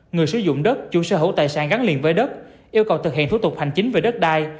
người sử dụng đất chủ sở hữu tài sản gắn liền với đất yêu cầu thực hiện thủ tục hành chính về đất đai